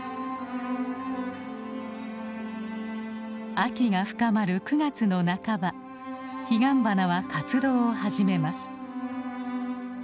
秋が深まる９月の半ばヒガンバナは活動を始めます。